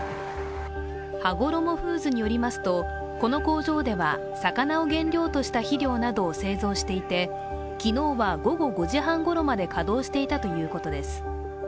はごろもフーズによりますとこの工場では魚を原料とした肥料などを製造していて、昨日は午後５時半ごろまで稼働していたということです。